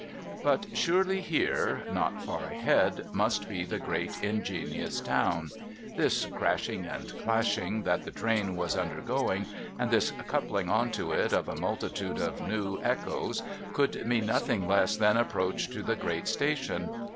But surely here, not far ahead, must be the great ingenious tov/n. This crashing and clashing that the train was undergoing, and this coupling on to it of a multitude of new echoes, could mean nothing less than approach to the great station.